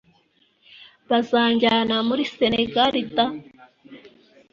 Bazanjyana muri Senegal da